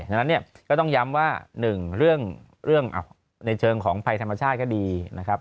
ดังนั้นเนี่ยก็ต้องย้ำว่า๑เรื่องในเชิงของภัยธรรมชาติก็ดีนะครับ